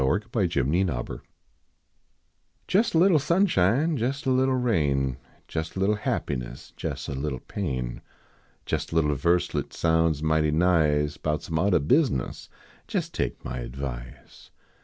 JES TAKE MY ADVICE Jes a little sunshine, jes a little rain, Jes a little happiness, jes a little pain. Jes a little verselet sounds mighty nice Bout some oddah business ; jes take my advice.